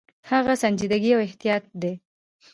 هغه سنجیدګي او احتیاط دی.